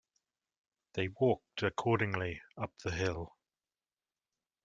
They walked accordingly up the hill.